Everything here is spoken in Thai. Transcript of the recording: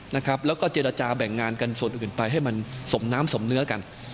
แล้วก็เจรจาแบ่งงานกันส่วนอื่นไปให้มันสมน้ำสมเนื้อกัน